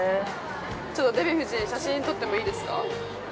デヴィ夫人写真撮ってもいいですか。